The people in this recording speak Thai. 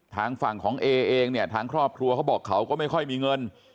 ทางฝั่งของเอเองเนี่ยทางครอบครัวเขาบอกเขาก็ไม่ค่อยมีเงิน